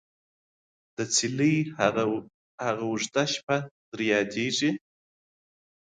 دڅيلې هغه او ژده شپه در ياديژي ?